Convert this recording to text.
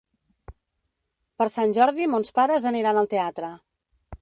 Per Sant Jordi mons pares aniran al teatre.